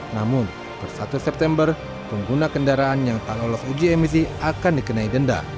namun per satu september pengguna kendaraan yang tak lolos uji emisi akan dikenai denda